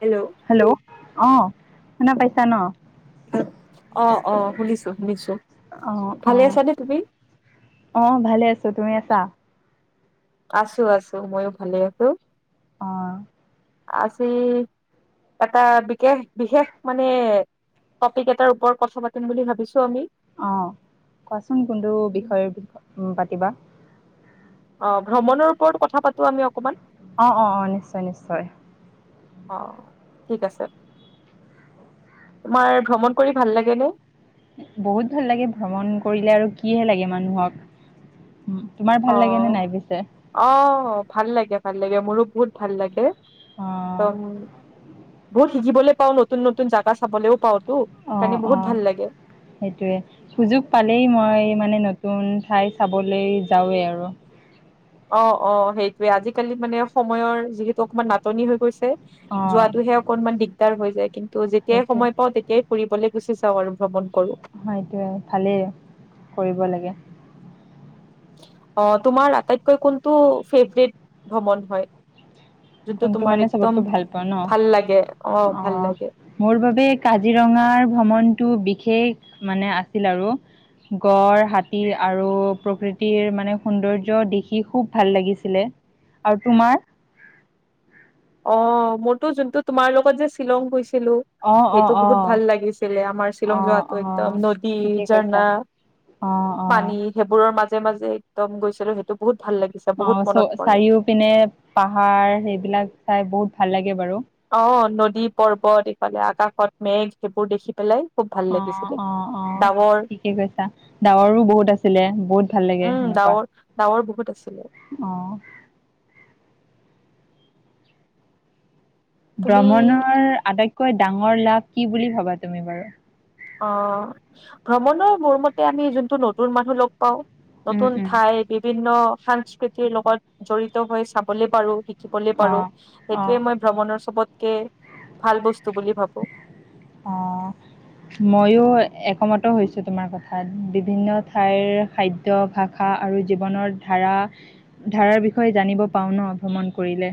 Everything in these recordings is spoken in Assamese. হেলৌ! হেলৌ অঁ! শুনা পাইছা ন। ভাল অঁ অঁ শুনিছোঁ শুনিছোঁ। ভালে আছানে তুমি? অঁ ভালে আছো তুমি আছা? আছোঁ আছোঁ মইও ভালে আছোঁ। অঁ! আজি এটা বিশেষ বিশেষ মানে- টপিক এটাৰ ওপৰত কথা পাতিম বুলি ভাবিছোঁ আমি। অঁ কোৱাচোন কোনটো বিষয়ত পাতিবা। অঁ ভ্ৰমণৰ ওপৰত কথা পাতো আমি অকমান- অঁ অঁ অঁ, নিশ্চয়, নিশ্চয়। অঁ, ঠিক আছে। তোমাৰ ভ্ৰমণ কৰি ভাল লাগে নে? বহুত ভাল লাগে ভ্ৰমণ কৰিলে আৰু কি হে লাগে মানুহক? উম, তোমাৰ ভাল লাগে নে নাই পিছে? অ‌ঁ' ভাল লাগে, ভাল লাগে মোৰো বহুত ভাল লাগে, অ একদম- বহুত শিকিবলৈ পাওঁ, নতুন-নতুন জাগা চাবলেও পাওঁ। অঁ অঁ। সেইটোৱে, সুযোগ পালেই মই মানে নতুন ঠাই চাবলেই যাওঁৱে আৰু। অঁ অঁ সেইটোৱে আজিকালি মানে সময়ৰ যিহেতু অকমান নাটনি হৈ গৈছে। অ যোৱাটোহে অকনমান দিগদাৰ হৈ যায়। কিন্তু, যেতিয়াই সেইটোৱে সময় পাওঁ তেত- তিয়াই ফুৰিবলে গুচি যাওঁ আৰু ভ্ৰমণ কৰোঁ। হয়, এইটোৱে ভালেই কৰিব লাগে। অঁ তোমাৰ আটাইতকৈ কোনটো ফেভৰেট ভ্ৰমণ হয়? যোনটো কোনটো মানে তোমাৰ চবতকৈ একদম ভাল পাওঁ ন ভাল লাগে, অ' ভাল লাগে? মোৰ বাবে কাজিৰঙাৰ ভ্ৰমণটো বিশেষ মানে আছিল আৰু। গড়, হাতী আৰু প্ৰকৃতিৰ মানে সৌন্দৰ্য দেখি খুব ভাল লাগিছিলে। আৰু তোমাৰ? অঁ মোৰটো যোনটো তোমাৰ লগত যে শ্বিলং গৈছিলোঁ। অ', অ', সেইটো বহুত অ', ভাল লাগিছিলে, আমাৰ শ্বিলং অ', যোৱাতো একদম নদী, ঝৰ্ণা- অঁ অঁ। পানী সেইবোৰৰ মাজে মাজে এক্দম গৈছিলো সেইটো বহুত ভাল লাগিছিল। অঁ চ চাৰিও পিনে পাহাৰ সেইবিলাক চাই বহুত ভাল লাগে বাৰু। অঁ নদী, পৰ্বত এইফালে আকাশত মেঘ সেইবোৰ দেখি পেলাই। খুব ভাল অঁ লাগিছিলে অঁ অঁ, ডাৱৰ ঠিকে কৈছা, ডাৱৰো বহুত আছিলে বহুত ভাল লাগে উম সেনেকুৱা। ডাৱৰ ডাৱৰ বহুত আছিলে। অঁ' তুমি ভ্ৰমণৰ আটাইতকৈ ডাঙৰ লাভ কি বুলি ভাবা তুমি বাৰু? অঁ ভ্ৰমণৰ মোৰ মতে আমি যোনটো নতুন মানুহ লগ পাওঁ উম, নতুন উম। ঠাইত- বিভিন্ন সাংস্কৃতিৰ লগত জড়িত হৈ চাবলে পাৰো- শিকিবলে পাৰো। অ', অ', সেইটোৱে মই ভ্ৰমণৰ চবতকে ভাল বস্তু বুলি ভাবো। অঁ' ময়ো- একমত হৈছোঁ তোমাৰ কথাত। বিভিন্ন ঠাইৰ খাদ্য ভাষা আৰু জীৱনৰ- ধাৰা, ধাৰাৰ বিষয়ে জানিব পাওঁ ন ভ্ৰমণ কৰিলে।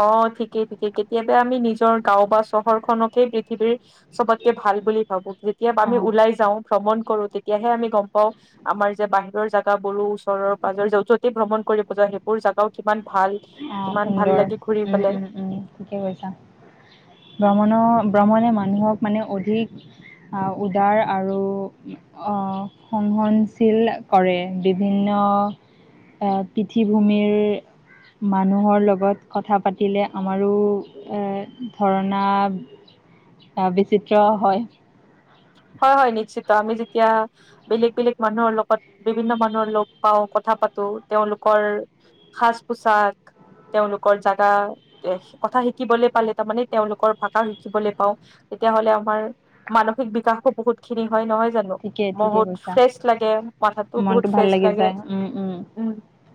অঁ ঠিকেই ঠিকেই, কেতিয়াবা আমি নিজৰ গাও বা চহৰখনকে পৃথিৱীৰ- চবতকে ভাল বুলি ভাবো, যেতিয়া আমি অ', ওলাই যাওঁ ভ্ৰমণ কৰো তেতিয়াহে আমি গম পাওঁ- আমাৰ যে বাহিৰৰ জাগাবোৰো ওচৰৰ পাজৰ যে যতি ভ্ৰমণ কৰিব যা সেইবোৰ জাগাও কিমান ভাল। অঁ কিমান ভাল সুন্দৰ। লাগে ঘূৰি উম পেলাই উম উম' ঠিকে কৈছা। ভ্ৰমণৰ ভ্ৰমণে মানুহক মানে অধিক- অঁ' উদাৰ আৰু- অঁ' সংহনশীল কৰে বিভিন্ন- এ পৃঠিভূমিৰ- মানুহৰ লগত কথা পাতিলে আমাৰো এ ধৰ্ণা- চা বিচিত্ৰ হয়। হয় হয়, নিশ্চিত। আমি যেতিয়া- বেলেগ বেলেগ মানুহৰ লগত। বিভিন্ন মানুহৰ লগ পাওঁ, কথা পাতো। তেওঁলোকৰ সাজ-পোছাক। তেওঁলোকৰ জেগা। এ কথা শিকিবলৈ পালে, তাৰমানে তেওঁলোকৰ ভাষা শিকিবলৈ পাওঁ। তেতিয়াাহ'লে আমাৰ মানসিক বিকাশো বহুত খিনি হয় নহয় জানো? ঠিকে ঠিকে বহুত কৈছা ফ্ৰেচ লাগে, মাথাটো মনটো বহুত ভাল ফ্ৰেচ লাগি লাগে। যায় উম উম।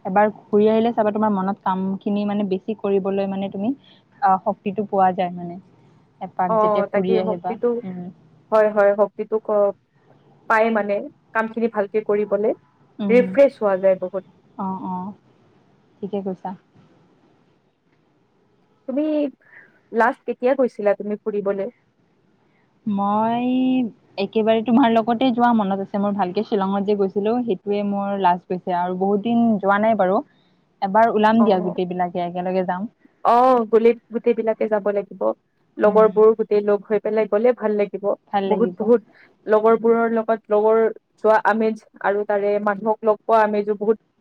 এবাৰ ঘূৰি আহিলে চাবা তোমাৰ মনত কামখিনি মানে বেছি কৰিবলৈ মানে তুমি অঁ, শক্তিটো পোৱা যায়। মানে, অ এপাক যেতিয়া তাকে ঘুৰি আহিবা, শক্তিটো উম। হয়, হয়। শক্তিটোক অ পাই মানে। কামখিনি ভালকে কৰিবলে ৰিফ্ৰেছ হোৱা যায় বহুত। অঁ, অঁ ঠিকে কৈছা। তুমি, লাষ্ট কেতিয়া গৈছিলা তুমি ফুৰিবলে? মই একেবাৰে তোমাৰ লগতে যোৱা মনত আছে। মোৰ ভালকে শ্বিলঙত যে গৈছিলো সেইটোৱে মোৰ লাষ্ট গৈছে। আৰু বহুত দিন যোৱা নাই বাৰু এবাৰ ওলাম দিয়া গোটেই বিলাকে একেলগে যাম। অঁ, গ'লে গোটেই বিলাকে যাব লাগিব লগৰ উম, বোৰ গোট সেই লগ হৈ পেলাই গলে ভাল লাগিব। ভাল বহুত লাগিব বহুত লগৰবোৰৰ লগত লগৰ যোৱা আমেজ আৰু তাৰে মানুহক লগ পোৱা আমেজো বহুত